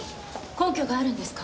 根拠があるんですか？